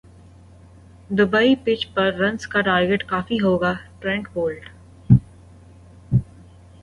Dubai pitch پر runs کا target کافی ہو گا ٹرینٹ بولٹ